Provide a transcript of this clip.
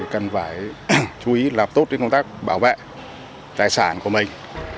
cần phải chú ý làm tốt công tác bảo vệ tài sản của mình